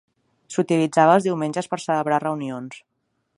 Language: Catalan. S"utilitzava els diumenges per celebrar reunions.